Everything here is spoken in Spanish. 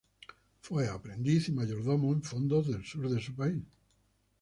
Fue aprendiz y mayordomo en fundos del sur de su país.